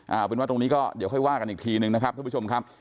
เอาเป็นว่าตรงนี้ก็เดี๋ยวค่อยว่ากันอีกทีนึงนะครับทุกผู้ชมครับ